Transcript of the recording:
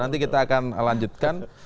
nanti kita akan lanjutkan